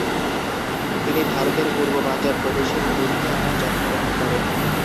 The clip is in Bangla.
তিনি ভারতের পূর্ব পাঞ্জাব প্রদেশের লুধিয়ানায় জন্মগ্রহণ করেন।